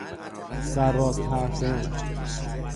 سرراست حرف زدن